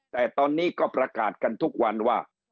แต่ตอนนี้ก็ประกาศกันทุกวันว่า